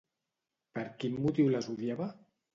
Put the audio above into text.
Per quin motiu les odiava?